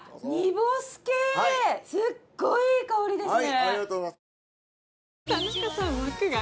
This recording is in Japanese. すっごいいい香りですね。